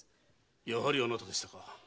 やはりあなたでしたか。